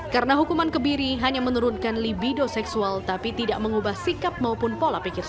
karena hukuman kebiri hanya menurunkan libido seksual tapi tidak mengubah sikap maupun pola pikir